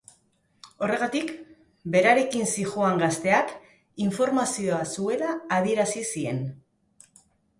Horregatik, berarekin zihoan gazteak informazioa zuela adierazi zien.